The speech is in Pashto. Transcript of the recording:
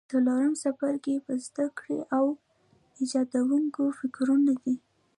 څلورم څپرکی په زده کړه او ایجادوونکو فکرونو دی.